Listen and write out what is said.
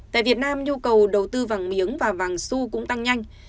tại việt nam nhu cầu đầu tư vàng miếng và vàng su cũng tăng nhanh